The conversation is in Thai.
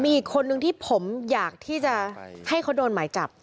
มีอีกคนนึงที่ผมอยากที่จะให้เขาโดนหมายจับ